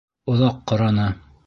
Оҙаҡ ҡараны.